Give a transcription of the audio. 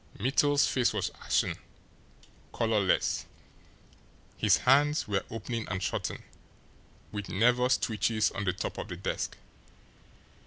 Mittel's face was ashen, colourless. His hands were opening and shutting with nervous twitches on the top of the desk.